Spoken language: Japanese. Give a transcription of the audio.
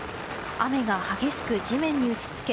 雨が激しく地面に打ち付け